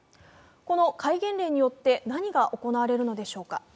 この戒厳令によって何が行われるのでしょうか。